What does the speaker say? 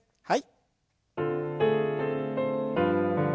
はい。